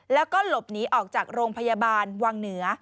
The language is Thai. แล้วก็หลบหนีออกจากโรงพยาบาลวังเหนือ